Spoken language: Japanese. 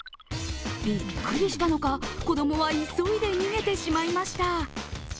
びっくりしたのか、子供は急いで逃げてしまいました。